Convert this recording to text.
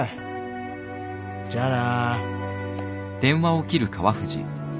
じゃあな。